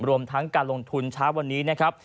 รวมทั้งการลงทุนเช้าวันนี้นะครับ